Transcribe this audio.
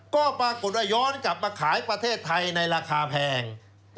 ก็ปรากฏว่าย้อนกลับมาขายประเทศไทยในราคาแพง